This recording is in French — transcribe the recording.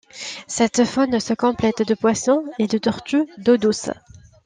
Cette faune se complète de poissons et de tortues d'eau douce.